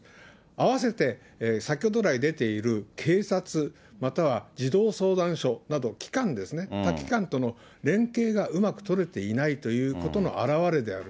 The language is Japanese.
併せて先ほど来出ている警察、または児童相談所など、機関ですね、他機関との連携がうまく取れていないということの表れである。